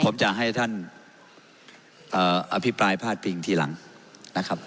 ผมจะให้ท่านอภิปรายพาดพิงทีหลังนะครับ